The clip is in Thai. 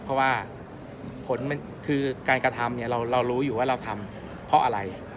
เพราะว่าผลมันคือการกระทำเรารู้อยู่ว่าเราทำเพราะอะไร